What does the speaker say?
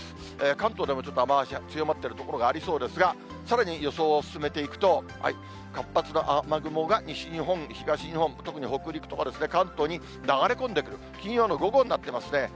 関東でもちょっと雨足が強まっている所がありそうですが、さらに予想を進めていくと、活発な雨雲が西日本、東日本、特に北陸とか関東に流れ込んでくる、金曜の午後になってますね。